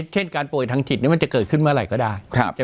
เช่นการป่วยทางจิตมันจะเกิดขึ้นเมื่อไหร่ก็ได้